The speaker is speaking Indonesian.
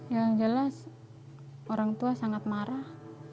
yang jelas orang tua sangat marah